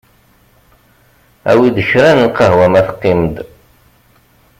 Awi-d kra n lqahwa ma teqqim-d.